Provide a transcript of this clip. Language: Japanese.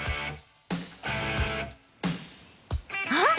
あっ！